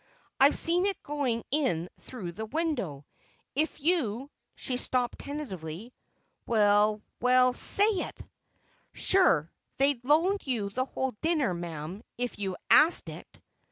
I seen it going in through the window. If you—" she stopped tentatively. "Well, well—say it!" "Sure, they'd loan you the whole dinner, ma'am, if you asked it."